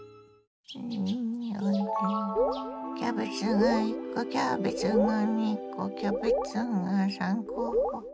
キャベツが１コキャベツが２コキャベツが３コ。